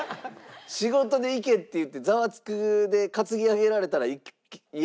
仕事で行けっていって『ザワつく！』で担ぎ上げられたら嫌々行きますけど。